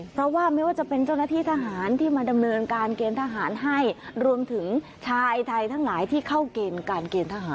เพราะว่าไม่ว่าจะเป็นเจ้าหน้าที่ทหารที่มาดำเนินการเกณฑ์ทหารให้รวมถึงชายไทยทั้งหลายที่เข้าเกณฑ์การเกณฑ์ทหาร